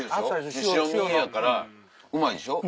塩味やからうまいでしょ。